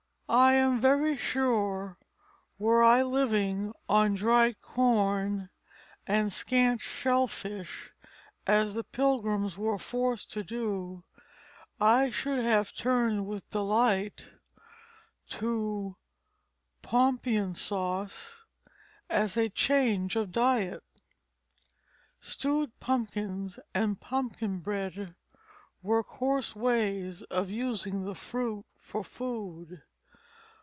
I am very sure were I living on dried corn and scant shell fish, as the Pilgrims were forced to do, I should have turned with delight to "pompion sause" as a change of diet. Stewed pumpkins and pumpkin bread were coarse ways of using the fruit for food.